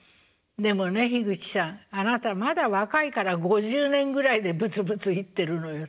「でもね口さんあなたまだ若いから５０年ぐらいでブツブツ言ってるのよ。